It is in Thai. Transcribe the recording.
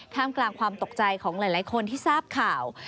กลางความตกใจของหลายคนที่ทราบข่าว